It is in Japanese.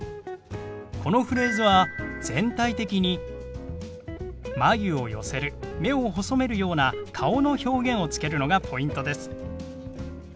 このフレーズは全体的に眉を寄せる目を細めるような顔の表現をつけるのがポイントです。